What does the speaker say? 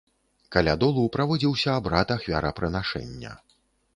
Каля долу праводзіўся абрад ахвярапрынашэння.